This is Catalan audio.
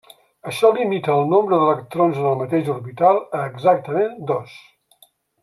Això limita el nombre d'electrons en el mateix orbital a exactament dos.